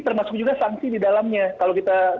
termasuk juga sanksi di dalamnya kalau kita